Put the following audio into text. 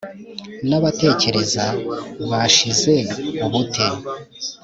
n’abatekereza bashize ubute